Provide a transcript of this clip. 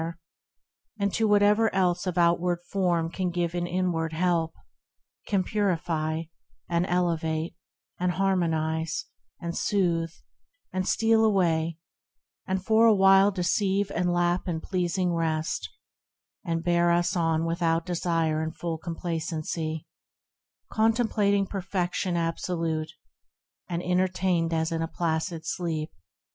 THE RECLUSE 21 And to whatever else of outward form Can give an inward help, can purify, And elevate, and harmonise, and soothe, And steal away, and for a while deceive And lap in pleasing rest, and bear us on Without desire in full complacency, Contemplating perfection absolute, And entertained as in a placid sleep.